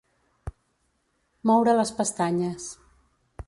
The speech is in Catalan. Moure les pestanyes.